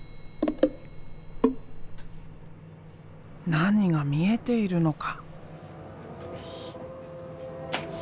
何が見えているのか？